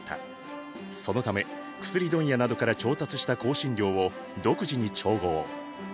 そのため薬問屋などから調達した香辛料を独自に調合。